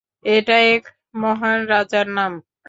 এটা এক মহান রাজার নাম!